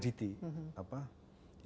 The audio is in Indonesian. ditaruh di idt